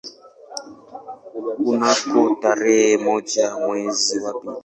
Kunako tarehe moja mwezi wa pili